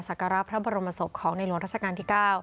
การพระบรมศพของในหลวงราชการที่๙